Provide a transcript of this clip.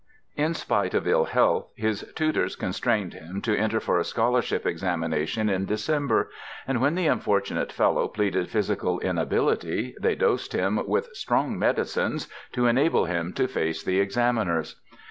In spite of ill health, his tutors constrained him to enter for a scholarship examination in December, and when the unfortunate fellow pleaded physical inability, they dosed him with "strong medicines" to enable him to face the examiners.